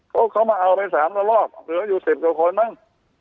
เขามาเอาไปสามละลอกเหลืออยู่๑๐กว่าคนมั้ง